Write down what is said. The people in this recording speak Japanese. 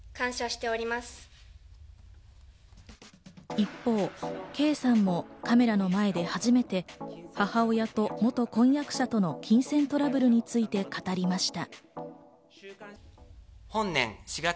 一方、圭さんもカメラの前で初めて母親と元婚約者との金銭トラブルについて語りました。